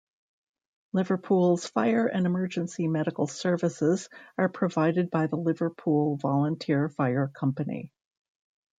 Liverpool's fire and emergency medical services are provided by the Liverpool Volunteer Fire Company.